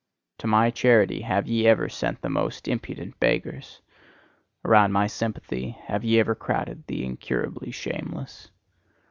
To my charity have ye ever sent the most impudent beggars; around my sympathy have ye ever crowded the incurably shameless.